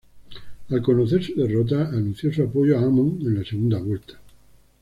Al conocer su derrota anunció su apoyo a Hamon en la segunda vuelta.